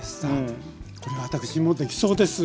これ私もできそうです。